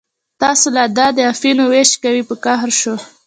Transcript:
تاسې لا دلته د اپینو وېش کوئ، په قهر شو.